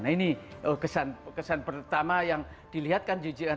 nah ini kesan pertama yang dilihatkan jjr